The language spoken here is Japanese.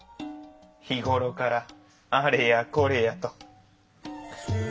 日頃からあれやこれやと。